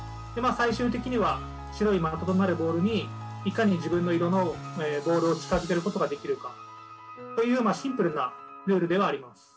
最終的には白い的となるボールにいかに自分の色のボールを近づけることができるかというシンプルなルールではあります。